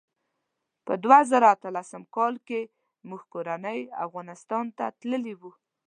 په دوه زره اتلسم کال کې موږ کورنۍ افغانستان ته تللي وو.